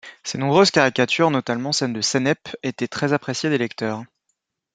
Ses nombreuses caricatures, notamment celles de Sennep, étaient très appréciées des lecteurs.